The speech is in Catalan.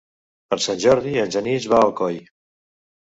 Per Sant Jordi en Genís va a Alcoi.